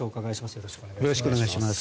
よろしくお願いします。